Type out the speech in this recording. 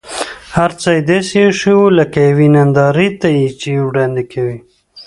هر څه داسې اېښي و لکه یوې نندارې ته یې چې وړاندې کوي.